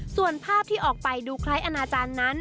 ส่วนภาพที่ออกไปดูคล้ายอนาจารย์นั้น